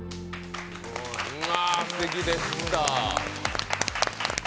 すてきでした。